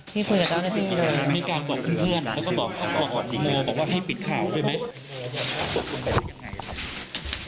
พี่คุยกับเจ้าหน้าพี่เลยมีการบอกเพื่อนเพื่อนแล้วก็บอกแล้วก็บอกว่าให้ปิดข่าวด้วยไหม